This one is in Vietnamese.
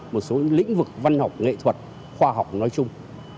một số lĩnh vực văn học nghệ thuật khoa học nói chung